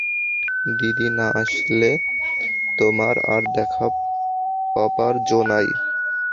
দিদি না আসলে তোমার আর দেখা পাবার জো নেই।